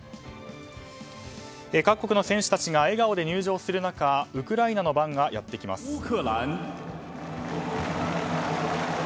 各国の選手たちが笑顔で入場する中ウクライナの番がやってきます。